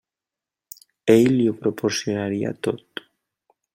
Ell li ho proporcionaria tot.